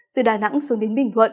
từ đà nẵng xuống đến bình thuận